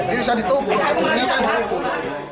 ini bisa ditukar ini bisa ditukar